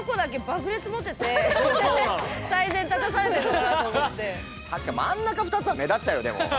だから何か確かに真ん中２つは目立っちゃうよでも。